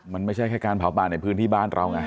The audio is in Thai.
มันไม่ใช่แค่การเผาป่าในพื้นที่บ้านเราไง